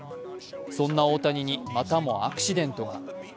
そんな大谷にまたもアクシデントが。